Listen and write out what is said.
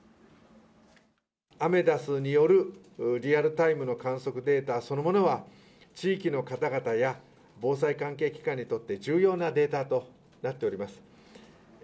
アメダスによるリアルタイムの観測データそのものは、地域の方々や防災関係機関にとって重要なデータとなっております。